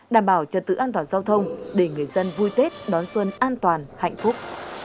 đảm bảo trật tự an toàn giao thông để người dân vui tết đón xuân an toàn hạnh phúc